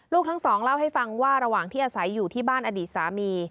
ทั้งสองเล่าให้ฟังว่าระหว่างที่อาศัยอยู่ที่บ้านอดีตสามี